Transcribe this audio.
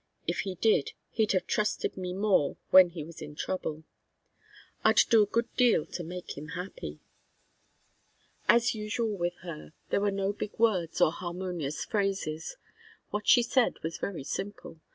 If he did, he'd have trusted me more when he was in trouble. I'd do a good deal to make him happy." As usual with her, there were no big words nor harmonious phrases. What she said was very simple.